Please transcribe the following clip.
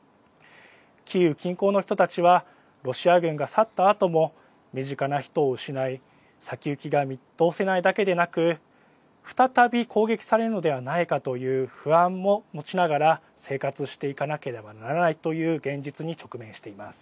キーウ近郊の人たちはロシア軍が去ったあとも身近な人を失い先行きが見通せないだけでなく再び攻撃されるのではないかという不安も持ちながら生活していかなければならないという現実に直面しています。